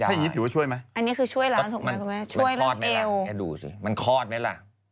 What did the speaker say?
ถ้าอย่างนี้ถือว่าช่วยไหมอันนี้คือช่วยแล้วถูกไหมช่วยแล้วเอว